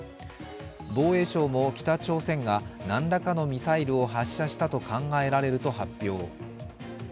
防衛省も北朝鮮が何らかのミサイルを発射したと考えられると発表。